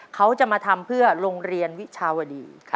เขาจะมาทำเพื่อโรงเรียนวิชาวดี